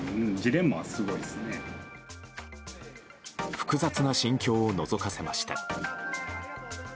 複雑な心境をのぞかせました。